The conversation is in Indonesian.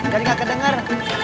jadi gak kedengar